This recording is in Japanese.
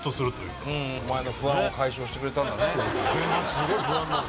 すごい不安になる。